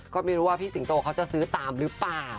ก็ไม่รู้ว่าพี่สิงโตเขาจะซื้อตามหรือเปล่า